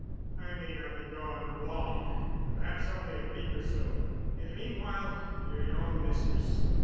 "I may not be gone long—perhaps only a week or so. In the meanwhile, you're your own mistress."